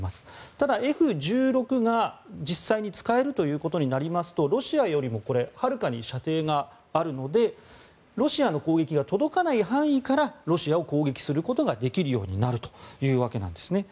ただ、Ｆ１６が実際に使えるということになりますとロシアよりもはるかに射程があるのでロシアの攻撃が届かない範囲からロシアを攻撃することができるようになるというわけです。